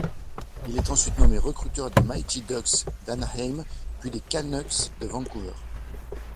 Il est ensuite nommé recruteur des Mighty Ducks d'Anaheim puis des Canucks de Vancouver.